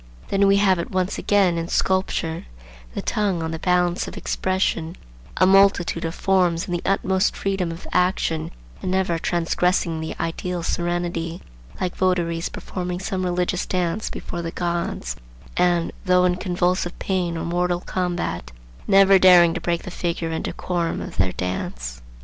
Then we have it once again in sculpture, the "tongue on the balance of expression," a multitude of forms in the utmost freedom of action and never transgressing the ideal serenity; like votaries performing some religious dance before the gods, and, though in convulsive pain or mortal combat, never daring to break the figure and decorum of their dance.